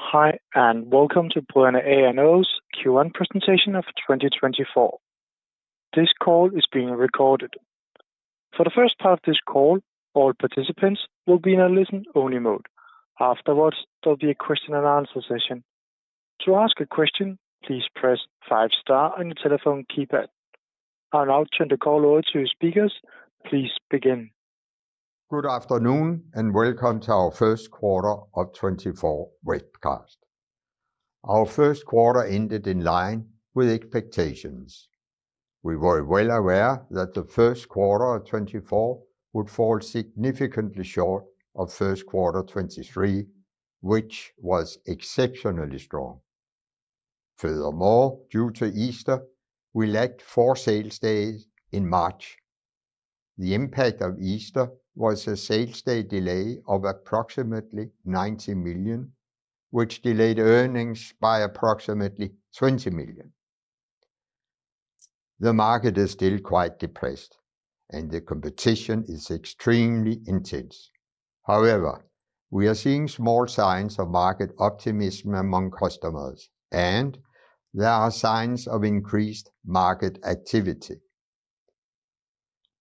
Hi and welcome to Brødrene A & O's Q&A presentation of 2024. This call is being recorded. For the first part of this call, all participants will be in a listen-only mode. Afterwards, there'll be a question-and-answer session. To ask a question, please press five star on your telephone keypad. I'll now turn the call over to speakers. Please begin. Good afternoon and welcome to our first quarter of 2024 webcast. Our first quarter ended in line with expectations. We were well aware that the first quarter of 2024 would fall significantly short of first quarter 2023, which was exceptionally strong. Furthermore, due to Easter, we lacked four sales days in March. The impact of Easter was a sales day delay of approximately 90 million, which delayed earnings by approximately 20 million. The market is still quite depressed, and the competition is extremely intense. However, we are seeing small signs of market optimism among customers, and there are signs of increased market activity.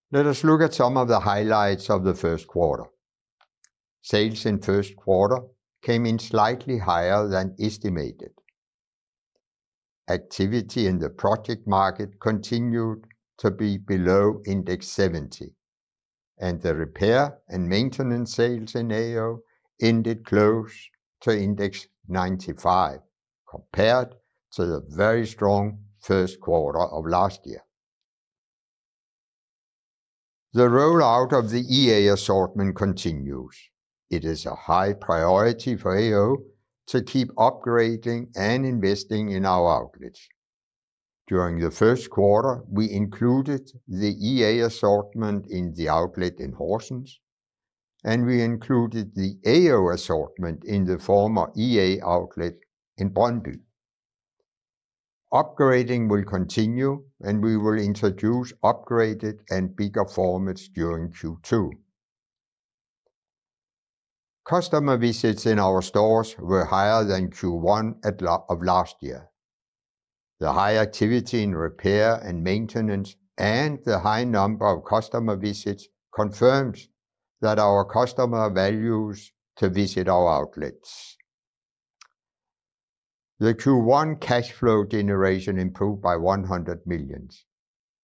Let us look at some of the highlights of the first quarter. Sales in first quarter came in slightly higher than estimated. Activity in the project market continued to be below index 70, and the repair and maintenance sales in AO ended close to index 95, compared to the very strong first quarter of last year. The rollout of the EA assortment continues. It is a high priority for AO to keep upgrading and investing in our outlets. During the first quarter, we included the EA assortment in the outlet in Horsens, and we included the AO assortment in the former EA outlet in Brøndby. Upgrading will continue, and we will introduce upgraded and bigger formats during Q2. Customer visits in our stores were higher than Q1 of last year. The high activity in repair and maintenance and the high number of customer visits confirms that our customer values to visit our outlets. The Q1 cash flow generation improved by 100 million.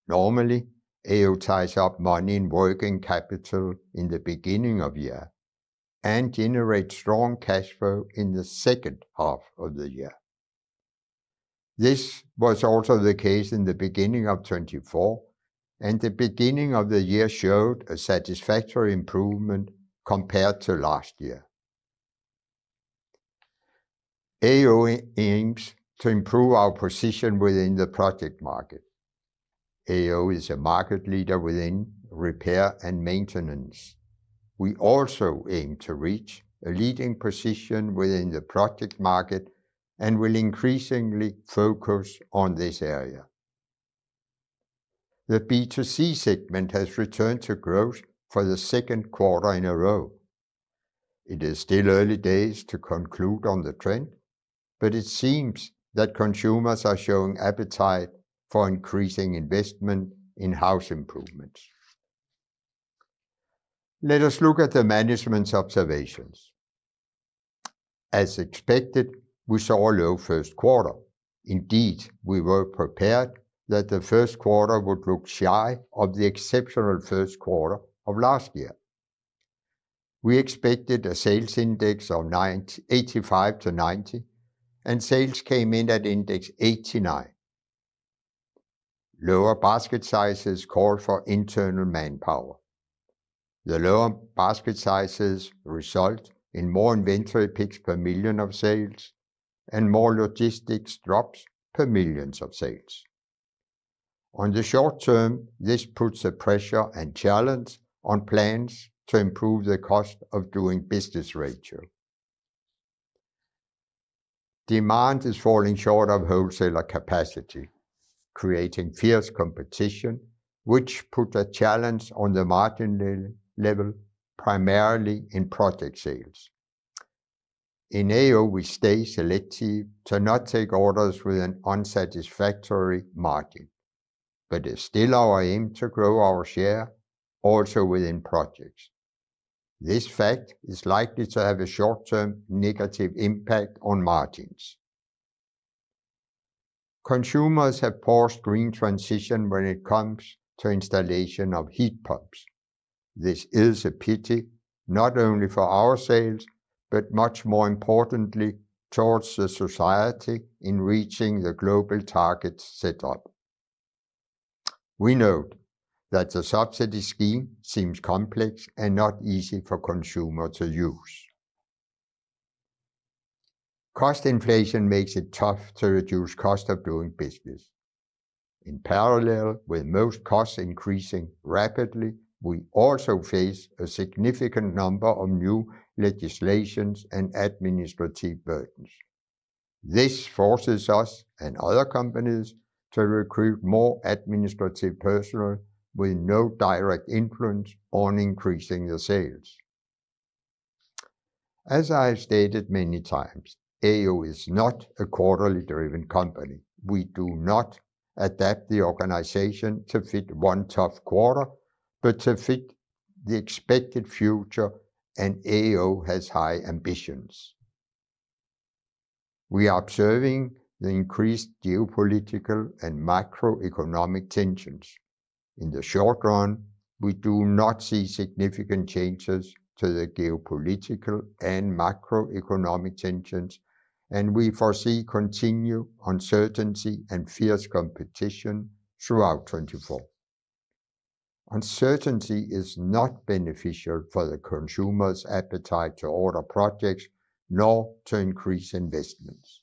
Normally, AO ties up money in working capital in the beginning of the year and generates strong cash flow in the second half of the year. This was also the case in the beginning of 2024, and the beginning of the year showed a satisfactory improvement compared to last year. AO aims to improve our position within the project market. AO is a market leader within repair and maintenance. We also aim to reach a leading position within the project market and will increasingly focus on this area. The B2C segment has returned to growth for the second quarter in a row. It is still early days to conclude on the trend, but it seems that consumers are showing appetite for increasing investment in house improvements. Let us look at the management's observations. As expected, we saw a low first quarter. Indeed, we were prepared that the first quarter would look shy of the exceptional first quarter of last year. We expected a sales index of 85-90, and sales came in at index 89. Lower basket sizes call for internal manpower. The lower basket sizes result in more inventory picks per million of sales, and more logistics drops per millions of sales. On the short term, this puts a pressure and challenge on plans to improve the cost of doing business ratio. Demand is falling short of wholesaler capacity, creating fierce competition, which puts a challenge on the margin level, primarily in project sales. In AO, we stay selective to not take orders with an unsatisfactory margin, but it is still our aim to grow our share, also within projects. This fact is likely to have a short-term negative impact on margins. Consumers have paused green transition when it comes to installation of heat pumps. This is a pity, not only for our sales, but much more importantly towards society in reaching the global targets set up. We note that the subsidy scheme seems complex and not easy for consumers to use. Cost inflation makes it tough to reduce the cost of doing business. In parallel with most costs increasing rapidly, we also face a significant number of new legislations and administrative burdens. This forces us and other companies to recruit more administrative personnel with no direct influence on increasing the sales. As I have stated many times, AO is not a quarterly-driven company. We do not adapt the organization to fit one tough quarter, but to fit the expected future, and AO has high ambitions. We are observing the increased geopolitical and macroeconomic tensions. In the short run, we do not see significant changes to the geopolitical and macroeconomic tensions, and we foresee continued uncertainty and fierce competition throughout 2024. Uncertainty is not beneficial for consumers' appetite to order projects nor to increase investments.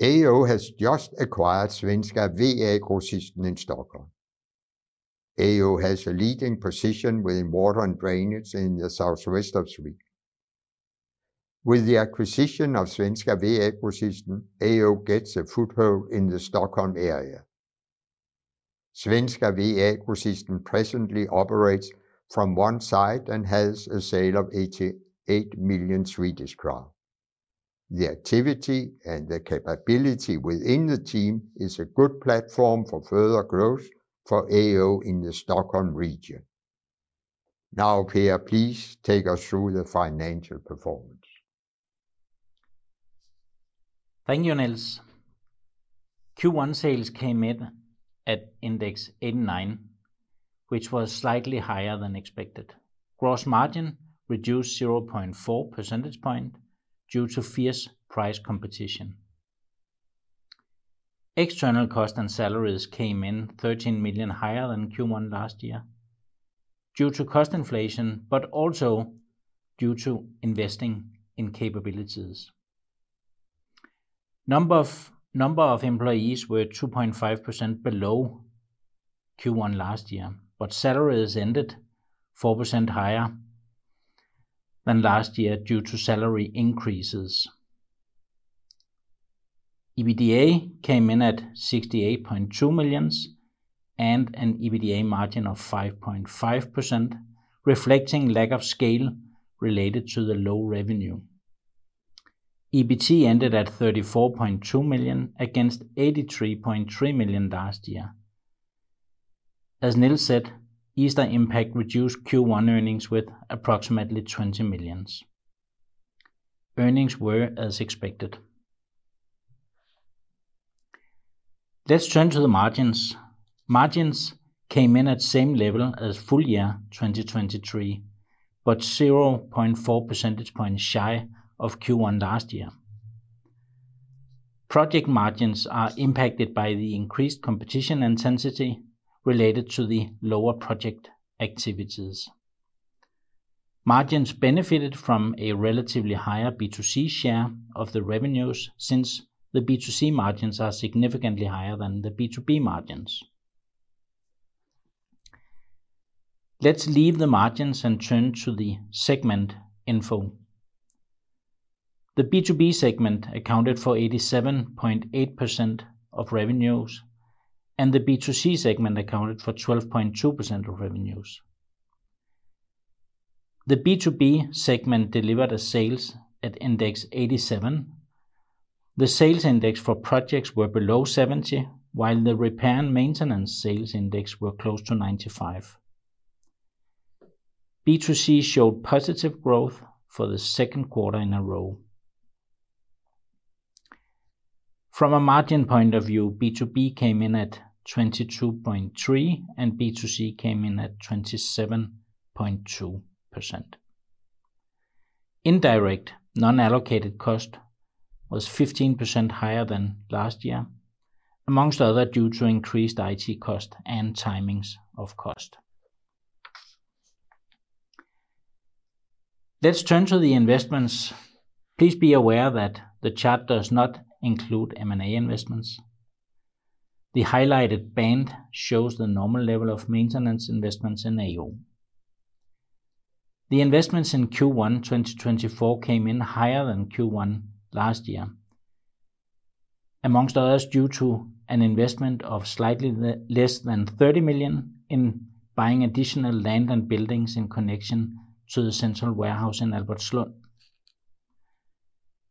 AO has just acquired Svenska VA-Grossisten i Stockholm. AO has a leading position within water and drainage in the southwest of Sweden. With the acquisition of Svenska VA-Grossisten, AO gets a foothold in the Stockholm area. Svenska VA-Grossisten presently operates from one site and has sales of 88 million Swedish crowns. The activity and the capability within the team is a good platform for further growth for AO in the Stockholm region. Now, Per, please take us through the financial performance. Thank you, Niels. Q1 sales came in at index 89, which was slightly higher than expected. Gross margin reduced 0.4 percentage points due to fierce price competition. External costs and salaries came in 13 million higher than Q1 last year due to cost inflation, but also due to investing in capabilities. Number of employees was 2.5% below Q1 last year, but salaries ended 4% higher than last year due to salary increases. EBITDA came in at 68.2 million and an EBITDA margin of 5.5%, reflecting lack of scale related to the low revenue. EBIT ended at 34.2 million against 83.3 million last year. As Niels said, Easter impact reduced Q1 earnings with approximately 20 million. Earnings were as expected. Let's turn to the margins. Margins came in at the same level as full year 2023, but 0.4 percentage points shy of Q1 last year. Project margins are impacted by the increased competition intensity related to the lower project activities. Margins benefited from a relatively higher B2C share of the revenues since the B2C margins are significantly higher than the B2B margins. Let's leave the margins and turn to the segment info. The B2B segment accounted for 87.8% of revenues, and the B2C segment accounted for 12.2% of revenues. The B2B segment delivered sales at index 87. The sales index for projects was below 70, while the repair and maintenance sales index was close to 95. B2C showed positive growth for the second quarter in a row. From a margin point of view, B2B came in at 22.3, and B2C came in at 27.2%. Indirect non-allocated cost was 15% higher than last year, among other due to increased IT costs and timings of cost. Let's turn to the investments. Please be aware that the chart does not include M&A investments. The highlighted band shows the normal level of maintenance investments in AO. The investments in Q1 2024 came in higher than Q1 last year, among other due to an investment of slightly less than 30 million in buying additional land and buildings in connection to the central warehouse in Albertslund.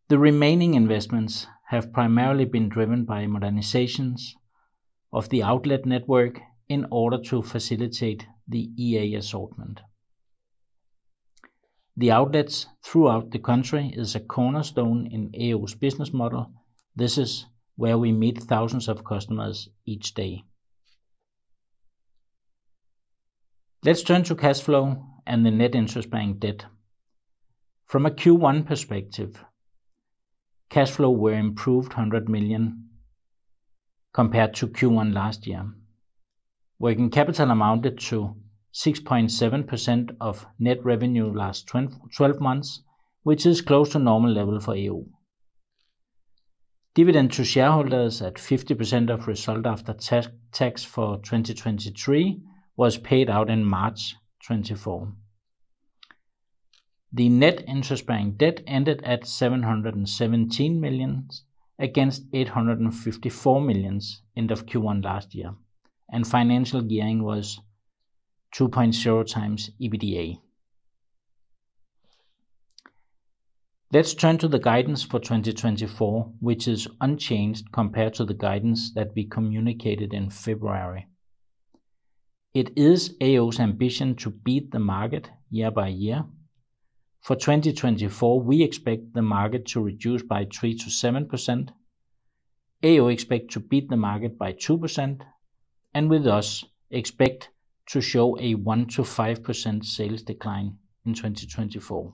The remaining investments have primarily been driven by modernizations of the outlet network in order to facilitate the EA assortment. The outlets throughout the country are a cornerstone in AO's business model. This is where we meet thousands of customers each day. Let's turn to cash flow and the net interest bank debt. From a Q1 perspective, cash flow was improved 100 million compared to Q1 last year, working capital amounted to 6.7% of net revenue last 12 months, which is close to the normal level for AO. Dividend to shareholders at 50% of result after tax for 2023 was paid out in March 2024. The net interest bank debt ended at 717 million against 854 million end of Q1 last year, and financial gearing was 2.0x EBITDA. Let's turn to the guidance for 2024, which is unchanged compared to the guidance that we communicated in February. It is AO's ambition to beat the market year by year. For 2024, we expect the market to reduce by 3%-7%. AO expects to beat the market by 2%, and we thus expect to show a 1%-5% sales decline in 2024.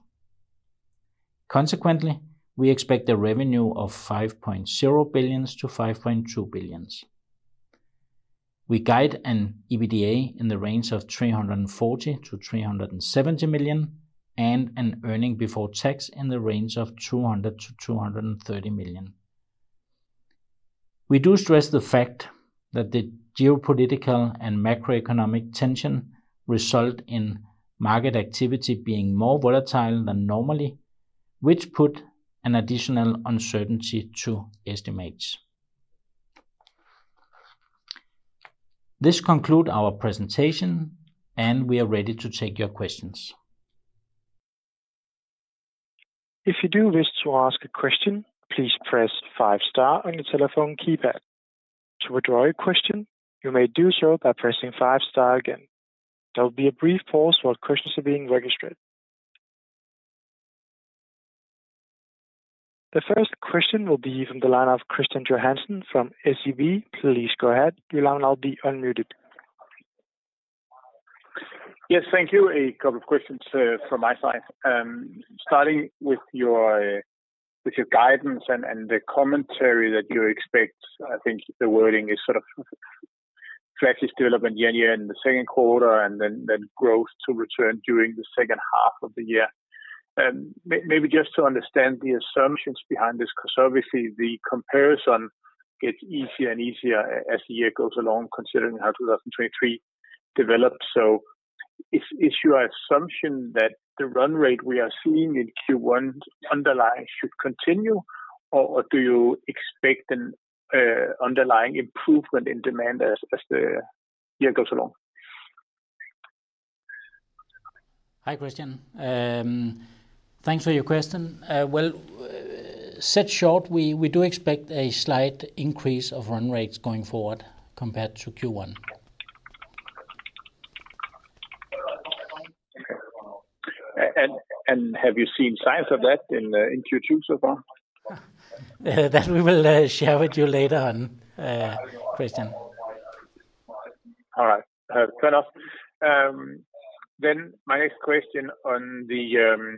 Consequently, we expect a revenue of 5.0 billion-5.2 billion. We guide an EBITDA in the range of 340 million-370 million, and an earnings before tax in the range of 200 million-230 million. We do stress the fact that the geopolitical and macroeconomic tension resulted in market activity being more volatile than normally, which put an additional uncertainty to estimates. This concludes our presentation, and we are ready to take your questions. If you do wish to ask a question, please press the five star on your telephone keypad. To withdraw a question, you may do so by pressing the five star again. There will be a brief pause while questions are being registered. The first question will be from the line of Kristian Johansen from SEB. Please go ahead. Your line will now be unmuted. Yes, thank you. A couple of questions from my side. Starting with your guidance and the commentary that you expect, I think the wording is sort of flattish development year-over-year in the second quarter and then growth to return during the second half of the year. Maybe just to understand the assumptions behind this, because obviously the comparison gets easier and easier as the year goes along considering how 2023 developed. So is your assumption that the run rate we are seeing in Q1 underlying should continue, or do you expect an underlying improvement in demand as the year goes along? Hi, Kristian. Thanks for your question. Well, said short, we do expect a slight increase of run rates going forward compared to Q1. Have you seen signs of that in Q2 so far? That we will share with you later on, Kristian. All right. Fair enough. Then my next question on the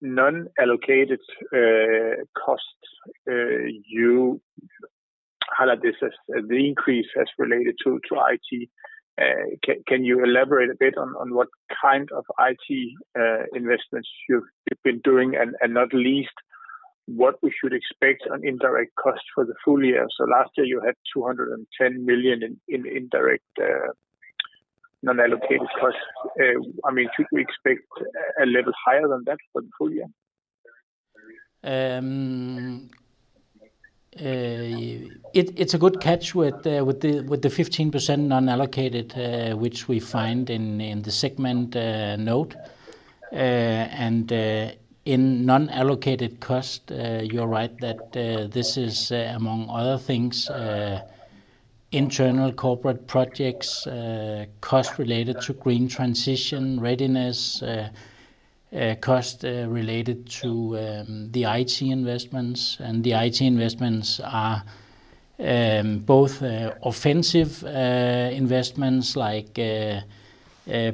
non-allocated costs, you highlighted the increase as related to IT. Can you elaborate a bit on what kind of IT investments you've been doing, and not least what we should expect on indirect costs for the full year? So last year, you had 210 million in indirect non-allocated costs. I mean, should we expect a level higher than that for the full year? It's a good catch with the 15% non-allocated, which we find in the segment note. And in non-allocated costs, you're right that this is, among other things, internal corporate projects, costs related to green transition readiness, costs related to the IT investments. And the IT investments are both offensive investments like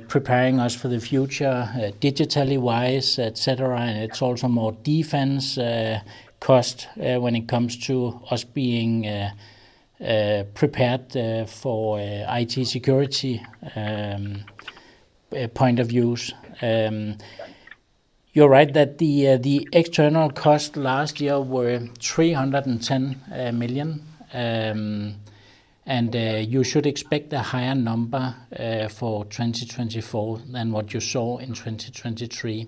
preparing us for the future digitally-wise, etc. And it's also more defense costs when it comes to us being prepared for IT security point of view. You're right that the external costs last year were 310 million, and you should expect a higher number for 2024 than what you saw in 2023.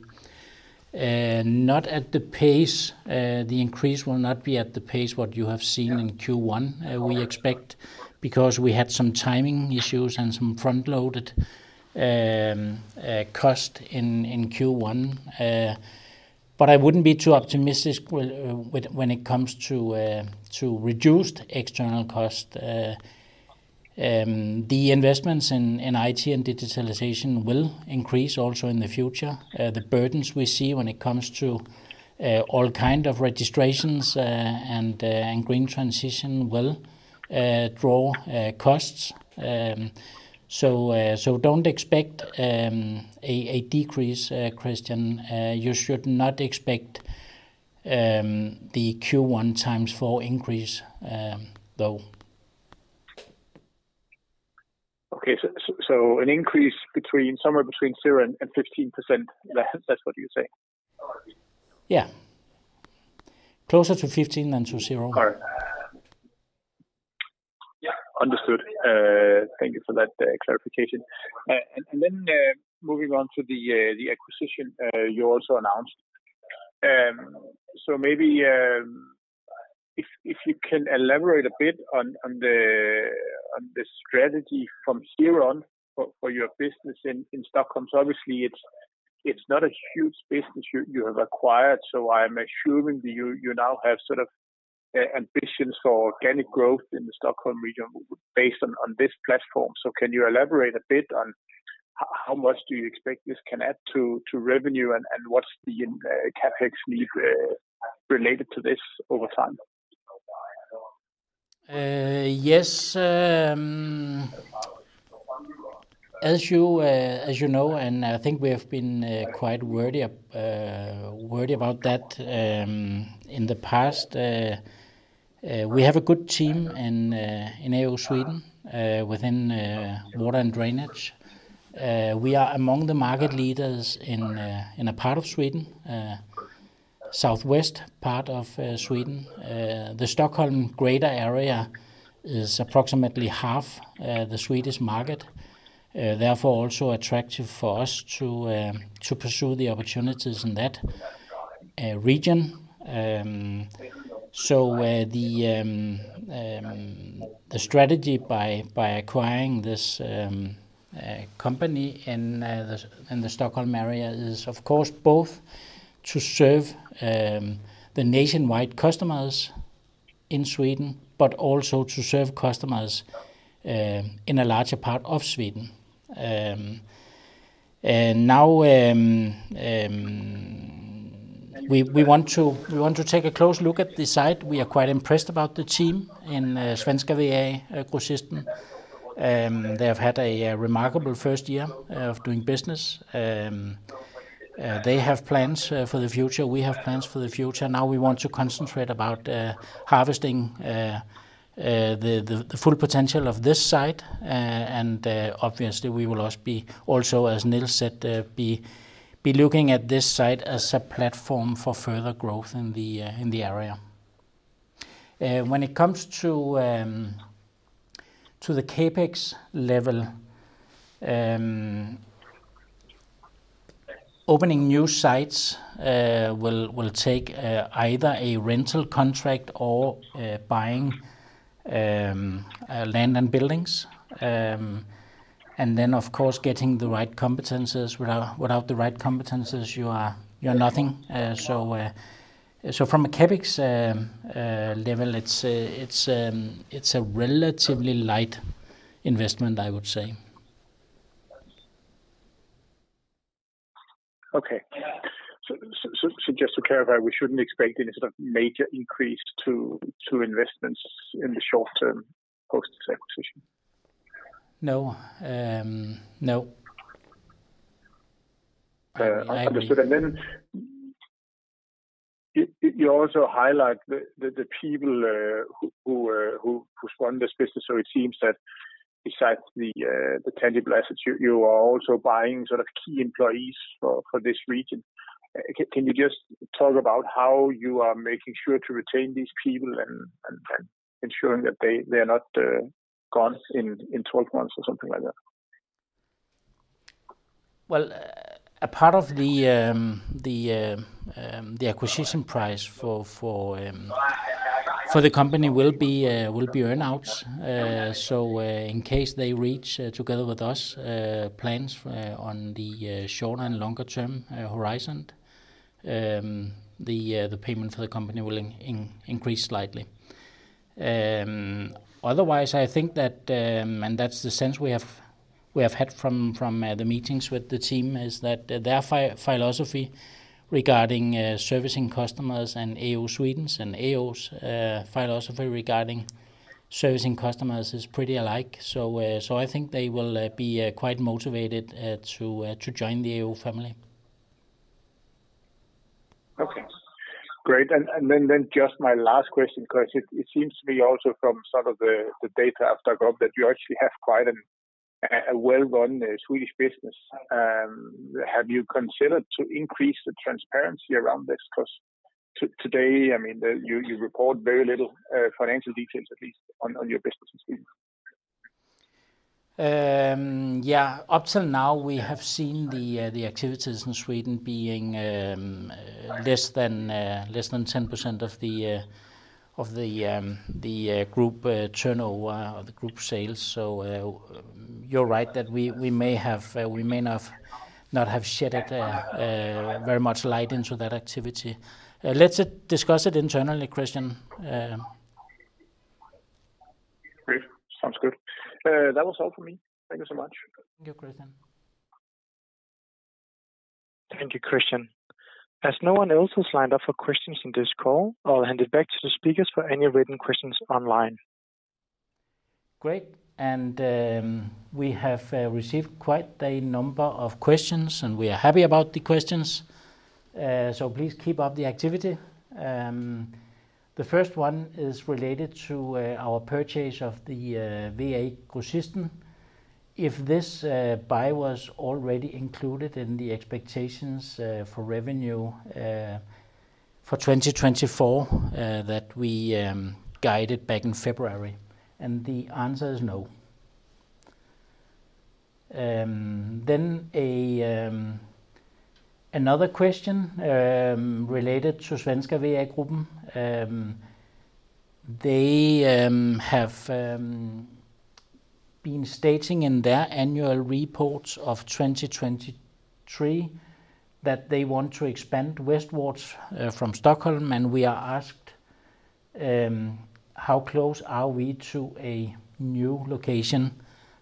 Not at the pace, the increase will not be at the pace what you have seen in Q1 we expect because we had some timing issues and some front-loaded costs in Q1. But I wouldn't be too optimistic when it comes to reduced external costs. The investments in IT and digitalization will increase also in the future. The burdens we see when it comes to all kinds of registrations and green transition will draw costs. So don't expect a decrease, Kristian. You should not expect the Q1 times four increase, though. Okay. So an increase somewhere between 0% and 15%, that's what you say? Yeah. Closer to 15% than to 0%. All right. Yeah, understood. Thank you for that clarification. And then moving on to the acquisition you also announced. So maybe if you can elaborate a bit on the strategy from here on for your business in Stockholm. So obviously, it's not a huge business you have acquired, so I'm assuming you now have sort of ambitions for organic growth in the Stockholm region based on this platform. So can you elaborate a bit on how much do you expect this can add to revenue, and what's the CapEx need related to this over time? Yes. As you know, and I think we have been quite wordy about that in the past, we have a good team in AO Sweden within water and drainage. We are among the market leaders in a part of Sweden, southwest part of Sweden. The Greater Stockholm Area is approximately half the Swedish market, therefore also attractive for us to pursue the opportunities in that region. So the strategy by acquiring this company in the Stockholm area is, of course, both to serve the nationwide customers in Sweden, but also to serve customers in a larger part of Sweden. Now, we want to take a close look at the site. We are quite impressed about the team in Svenska VA-Grossisten. They have had a remarkable first year of doing business. They have plans for the future. We have plans for the future. Now, we want to concentrate about harvesting the full potential of this site. And obviously, we will also be also as Niels said, be looking at this site as a platform for further growth in the area. When it comes to the CapEx level, opening new sites will take either a rental contract or buying land and buildings. And then, of course, getting the right competencies. Without the right competencies, you're nothing. So from a CapEx level, it's a relatively light investment, I would say. Okay. Just to clarify, we shouldn't expect any sort of major increase to investments in the short term post this acquisition? No. No. Understood. And then you also highlight the people who spun this business. So it seems that besides the tangible assets, you are also buying sort of key employees for this region. Can you just talk about how you are making sure to retain these people and ensuring that they are not gone in 12 months or something like that? Well, a part of the acquisition price for the company will be earnouts. So, in case they reach, together with us, plans on the shorter- and longer-term horizon, the payment for the company will increase slightly. Otherwise, I think that, and that's the sense we have had from the meetings with the team, is that their philosophy regarding servicing customers and AO Sweden's and AO's philosophy regarding servicing customers is pretty alike. So I think they will be quite motivated to join the AO family. Okay. Great. And then just my last question because it seems to me also from sort of the data I've dug up that you actually have quite a well-run Swedish business. Have you considered to increase the transparency around this? Because today, I mean, you report very little financial details, at least on your business in Sweden. Yeah. Up till now, we have seen the activities in Sweden being less than 10% of the group turnover or the group sales. So you're right that we may not have shed very much light into that activity. Let's discuss it internally, Kristian. Great. Sounds good. That was all for me. Thank you so much. Thank you, Kristian. Thank you, Kristian. As no one else has lined up for questions in this call, I'll hand it back to the speakers for any written questions online. Great. We have received quite a number of questions, and we are happy about the questions. So please keep up the activity. The first one is related to our purchase of the VA-Grossisten. If this buy was already included in the expectations for revenue for 2024 that we guided back in February, and the answer is no. Then another question related to Svenska VA-Grossisten. They have been stating in their annual reports of 2023 that they want to expand westwards from Stockholm, and we are asked, "How close are we to a new location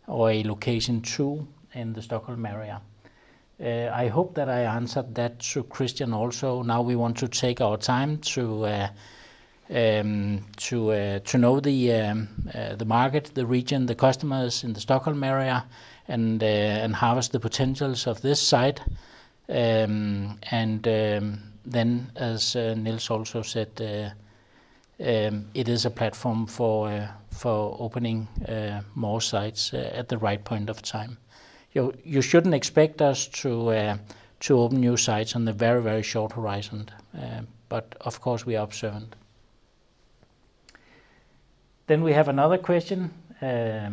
or a location too in the Stockholm area?" I hope that I answered that to Kristian also. Now, we want to take our time to know the market, the region, the customers in the Stockholm area, and harvest the potentials of this site. Then, as Niels also said, it is a platform for opening more sites at the right point of time. You shouldn't expect us to open new sites on the very, very short horizon, but of course, we are observant. Then we have another question, a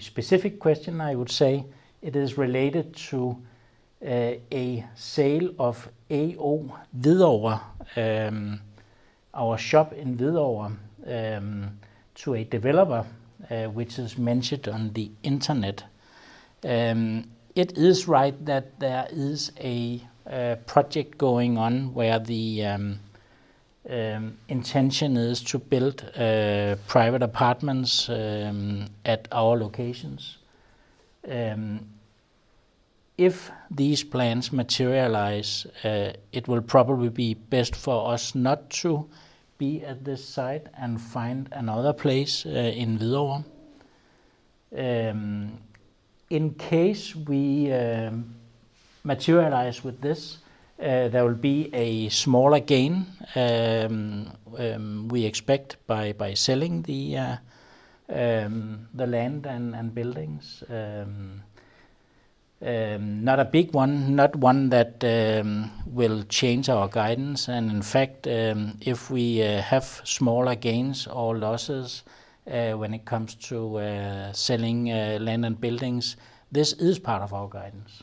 specific question, I would say. It is related to a sale of AO Hvidovre, our shop in Hvidovre, to a developer, which is mentioned on the internet. It is right that there is a project going on where the intention is to build private apartments at our locations. If these plans materialize, it will probably be best for us not to be at this site and find another place in Hvidovre. In case we materialize with this, there will be a smaller gain we expect by selling the land and buildings. Not a big one, not one that will change our guidance. And in fact, if we have smaller gains or losses when it comes to selling land and buildings, this is part of our guidance.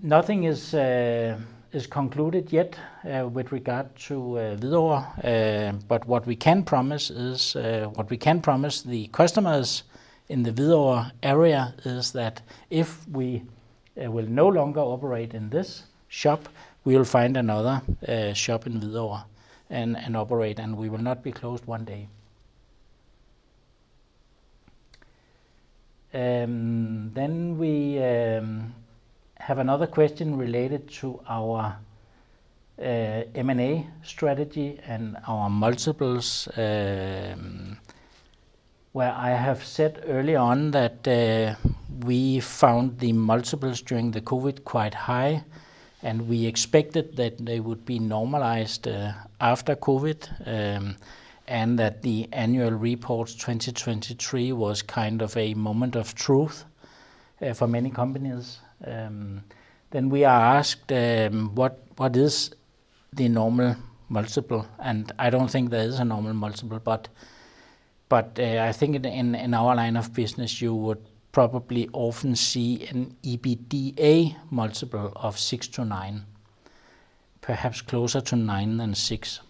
Nothing is concluded yet with regard to Hvidovre, but what we can promise is what we can promise the customers in the Hvidovre area is that if we will no longer operate in this shop, we will find another shop in Hvidovre and operate, and we will not be closed one day. We have another question related to our M&A strategy and our multiples where I have said early on that we found the multiples during the COVID quite high, and we expected that they would be normalized after COVID and that the annual reports 2023 was kind of a moment of truth for many companies. Then we are asked, "What is the normal multiple?" And I don't think there is a normal multiple, but I think in our line of business, you would probably often see an EBITDA multiple of 6 to 9, perhaps closer to 9 than 6.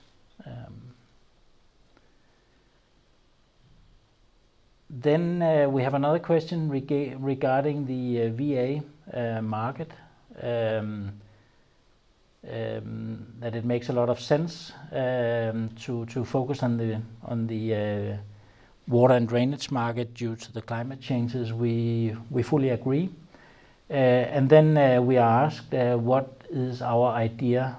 Then we have another question regarding the VA market, that it makes a lot of sense to focus on the water and drainage market due to the climate changes. We fully agree. And then we are asked, "What is our idea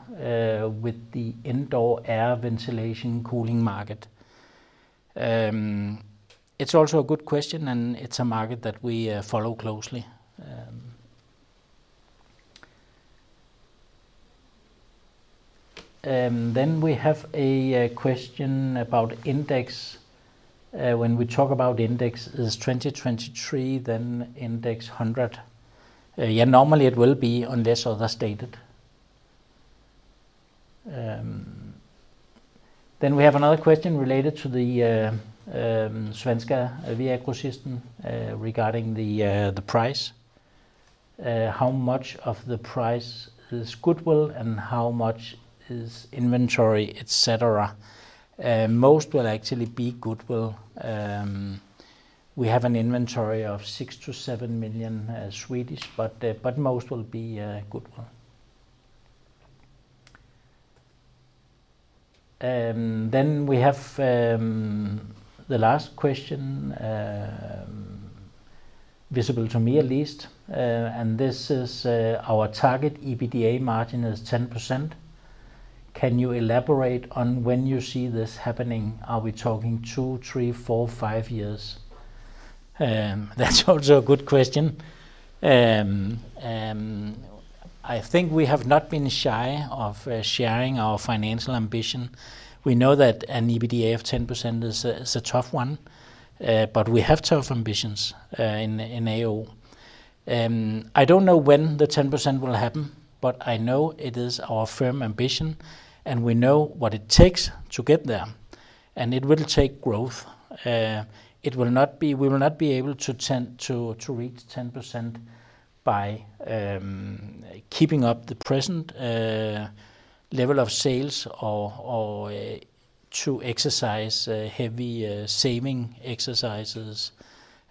with the indoor air ventilation cooling market?" It's also a good question, and it's a market that we follow closely. Then we have a question about index. When we talk about index, is 2023 then index 100? Yeah, normally it will be unless other stated. Then we have another question related to the Svenska VA-Grossisten regarding the price. How much of the price is goodwill, and how much is inventory, etc.? Most will actually be goodwill. We have an inventory of 6 million-7 million, but most will be goodwill. Then we have the last question visible to me at least, and this is our target EBITDA margin is 10%. Can you elaborate on when you see this happening? Are we talking two, three, four, five years? That's also a good question. I think we have not been shy of sharing our financial ambition. We know that an EBITDA of 10% is a tough one, but we have tough ambitions in AO. I don't know when the 10% will happen, but I know it is our firm ambition, and we know what it takes to get there, and it will take growth. We will not be able to reach 10% by keeping up the present level of sales or to exercise heavy saving exercises.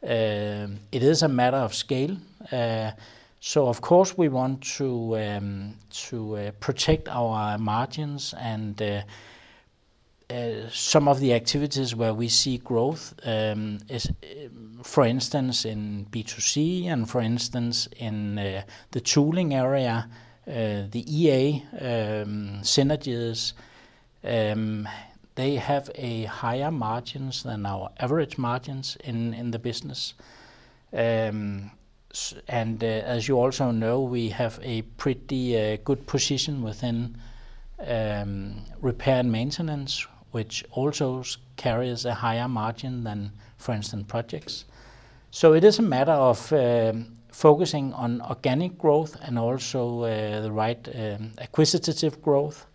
It is a matter of scale. So, of course, we want to protect our margins, and some of the activities where we see growth, for instance, in B2C and for instance, in the tooling area, the EA synergies, they have higher margins than our average margins in the business. As you also know, we have a pretty good position within repair and maintenance, which also carries a higher margin than, for instance, projects. So it is a matter of focusing on organic growth and also the right acquisitive growth,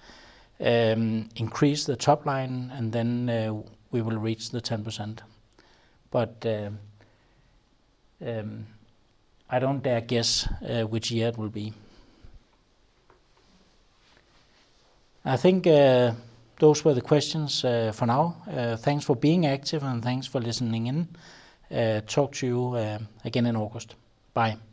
increase the top line, and then we will reach the 10%. But I don't dare guess which year it will be. I think those were the questions for now. Thanks for being active, and thanks for listening in. Talk to you again in August. Bye.